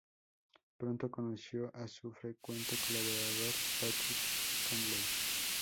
Pronto conoció a su frecuente colaborador Patrick Cowley.